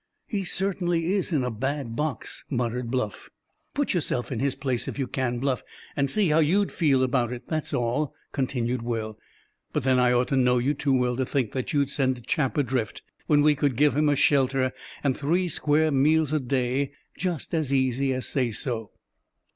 "He certainly is in a bad box," muttered Bluff. "Put yourself in his place, if you can, Bluff; and see how you'd feel about it, that's all," continued Will. "But then, I ought to know you too well to think you'd send a chap adrift, when we could give him a shelter and three square meals a day just as easy as say so."